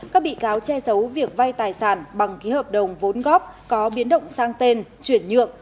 các bị cáo che giấu việc vay tài sản bằng ký hợp đồng vốn góp có biến động sang tên chuyển nhượng